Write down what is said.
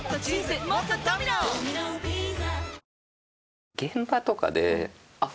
超濃い現場とかであっ